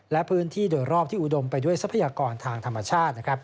และพื้นที่โดยรอบที่อุดมไปด้วยทรัพยากรทางธรรมชาติ